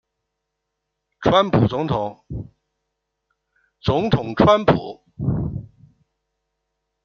在不经意间